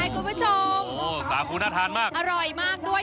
คุณผู้ชมโอ้สาคูน่าทานมากอร่อยมากด้วย